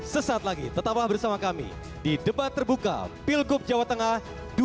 sesaat lagi tetaplah bersama kami di debat terbuka pilgub jawa tengah dua ribu delapan belas